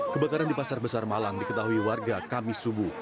kebakaran di pasar besar malang diketahui warga kamis subuh